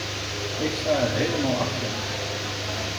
Ik sta er helemaal achter.